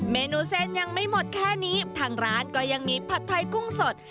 เมนูเส้นยังไม่หมดแค่นี้ทางร้านก็ยังมีผัดไทยกุ้งสด